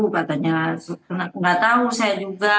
katanya nggak tahu saya juga